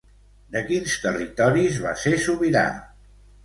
De quins territoris va ser sobirà?